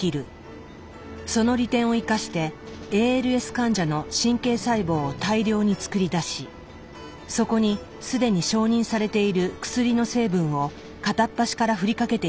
その利点を生かしてＡＬＳ患者の神経細胞を大量に作り出しそこに既に承認されている薬の成分を片っ端から振りかけていったのだ。